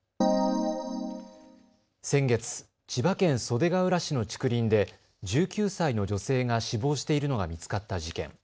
先月、千葉県袖ケ浦市の竹林で１９歳の女性が死亡しているのが見つかった事件。